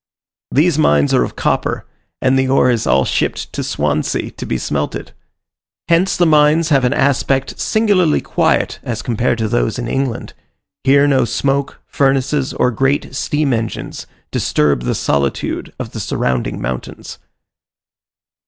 These mines are of copper, and the ore is all shipped to Swansea, to be smelted. Hence the mines have an aspect singularly quiet, as compared to those in England: here no smoke, furnaces, or great steam engines, disturb the solitude of the surrounding mountains.